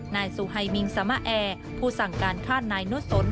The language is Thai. นายสุไฮมิงสามะแอร์ผู้สั่งการฆ่านายนุสน